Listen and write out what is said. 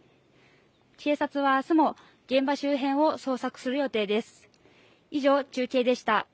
警察は明日も現場周辺を捜索する予定です。